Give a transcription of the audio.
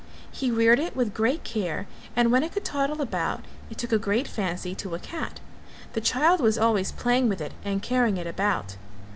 He reared it with great care and when it could toddle about it took a great fancy to a cat; the child was always playing with it and carrying it about.